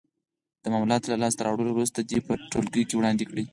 د معلوماتو له لاس ته راوړلو وروسته دې په ټولګي کې وړاندې کړې.